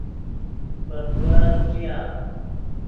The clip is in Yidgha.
پے تیور فݯیا